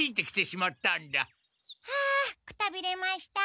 あくたびれました。